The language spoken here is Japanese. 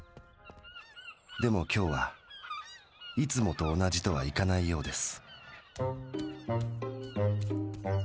でも今日はいつもと同じとはいかないようです。